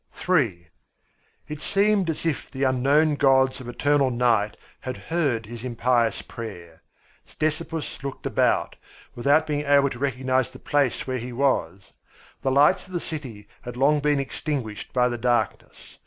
III It seemed as if the unknown gods of eternal night had heard his impious prayer. Ctesippus looked about, without being able to recognise the place where he was. The lights of the city had long been extinguished by the darkness.